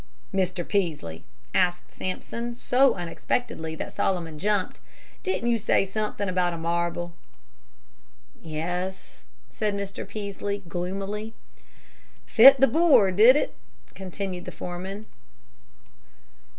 "Mr. Peaslee," asked Sampson, so unexpectedly that Solomon jumped, "didn't you say something about a marble?" "Yes," said Mr. Peaslee, gloomily. "Fit the bore, did it?" continued the foreman.